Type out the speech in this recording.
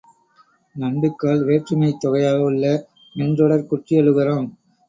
நண்டுக்கால் வேற்றுமைத் தொகையாக உள்ள மென்றொடர்க் குற்றியலுகரம்.